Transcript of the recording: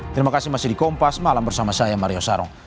terima kasih masih di kompas malam bersama saya mario sarong